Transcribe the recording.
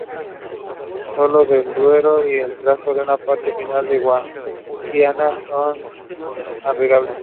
Solo el Duero y el Tajo y una parte final del Guadiana son navegables.